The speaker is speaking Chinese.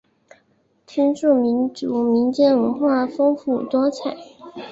天柱民族民间文化丰富多彩。